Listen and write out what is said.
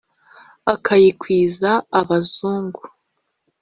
akayikwiza abazungu;